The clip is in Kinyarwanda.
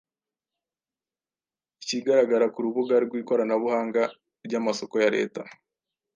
kigaragara ku rubuga rw’ikoranabuhanga ry’amasoko ya Leta.”